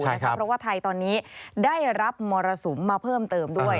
เพราะว่าไทยตอนนี้ได้รับมรสุมมาเพิ่มเติมด้วย